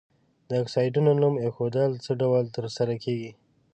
د اکسایدونو نوم ایښودل څه ډول تر سره کیږي؟